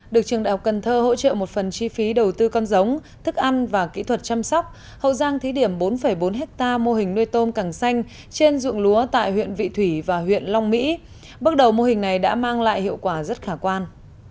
được trường đại học cần thơ hỗ trợ một phần chi phí đầu tư con giống thức ăn và kỹ thuật chăm sóc hậu giang thí điểm bốn bốn hectare mô hình nuôi tôm càng xanh trên dụng lúa tại huyện vị thủy và huyện long mỹ bước đầu mô hình này đã mang lại hiệu quả rất khả quan